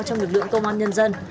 trong lực lượng công an nhân dân